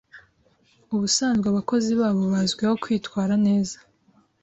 ubusanzwe abakozi babo bazwiho kwitwara neza